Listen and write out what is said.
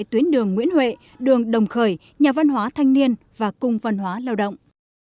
tuyến đường nguyễn huệ đường đồng khởi nhà văn hóa thanh niên và cung văn hóa lao động